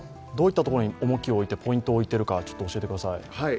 どういったところにポイントを置いているか、教えてください。